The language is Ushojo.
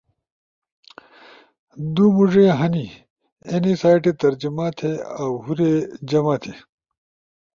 دُو مُوڙے ہنے۔ ہنی سائٹے ترجمہ تھے اؤ ہُورے جمع تھی۔